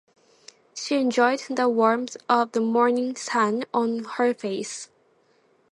She enjoyed the warmth of the morning sun on her face.